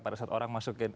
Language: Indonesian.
pada saat orang masukin